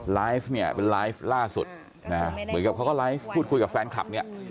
ไลฟ์เนี่ยเป็นไลฟ์ล่าสุดนะฮะเหมือนกับเขาก็ไลฟ์พูดคุยกับแฟนคลับเนี่ย